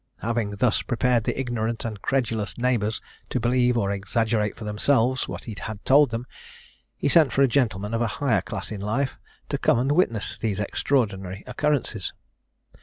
Having thus prepared the ignorant and credulous neighbours to believe or exaggerate for themselves what he had told them, he sent for a gentleman of a higher class in life, to come and witness these extraordinary occurrences.